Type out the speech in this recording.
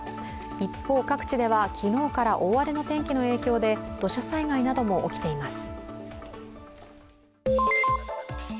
一方、各地では昨日から大荒れの天気の影響で土砂災害なども起きています。